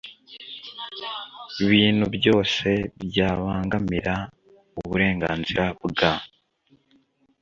bintu byose byabangamira uburenganzira bwa